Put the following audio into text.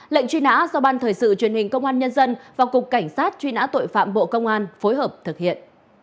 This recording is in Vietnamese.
lệnh truy nã do ban thời sự truyền hình công an nhân dân và cục cảnh sát truy nã tội phạm bộ công an phối hợp thực hiện